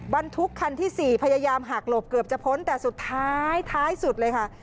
บรรทุกคันที่๔พยายามหักหลบเกือบจะพ้นแต่สุดท้ายท้ายสุดเลยค่ะ